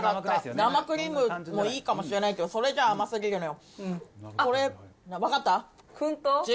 生クリームもいいかもしれないけど、それじゃ甘すぎるのよ。